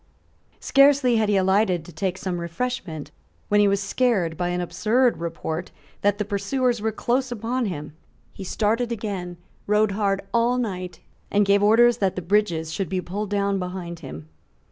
Scarcely had he alighted to take some refreshment when he was scared by an absurd report that the pursuers were close upon him. He started again, rode hard all night, and gave orders that the bridges should be pulled down behind him.